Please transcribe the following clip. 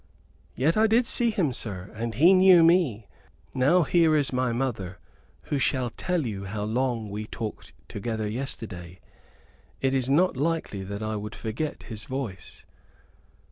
"Yet I did see him, sir, and he knew me. Now here is my mother, who shall tell you how long we talked together yesterday. It is not likely that I would forget his voice."